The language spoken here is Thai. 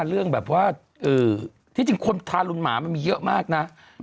เรื่องแบบว่าที่จริงคนทารุณหมามันมีเยอะมากนะ